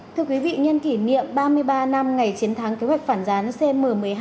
thưa quý vị nhân kỷ niệm ba mươi ba năm ngày chiến thắng kế hoạch phản gián cm một mươi hai